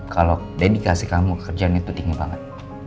kalo dedikasi kamu ke kerjaan itu tinggi banget